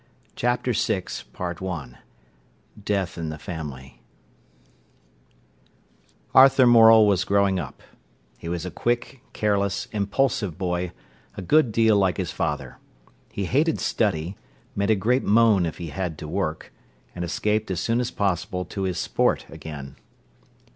CHAPTER VI DEATH IN THE FAMILY Arthur Morel was growing up. He was a quick, careless, impulsive boy, a good deal like his father. He hated study, made a great moan if he had to work, and escaped as soon as possible to his sport again.